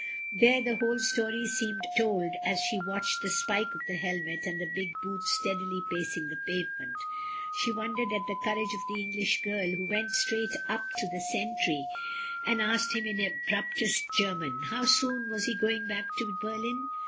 There the whole story seemed told as she watched the spike of the helmet and the big boots steadily pacing the pavement. She wondered at the courage of the English girl who went straight up to the sentry and asked him in abruptest German, "How soon was he going back to Berlin?"